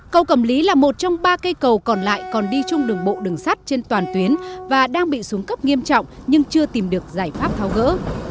cầu cầm lý là một trong ba cây cầu còn lại còn đi chung đường bộ đường sắt trên toàn tuyến và đang bị xuống cấp nghiêm trọng nhưng chưa tìm được giải pháp tháo gỡ